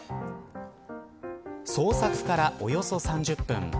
捜索からおよそ３０分